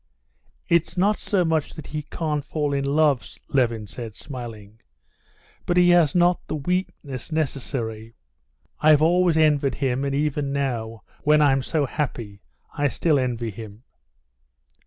"It's not so much that he can't fall in love," Levin said, smiling, "but he has not the weakness necessary.... I've always envied him, and even now, when I'm so happy, I still envy him."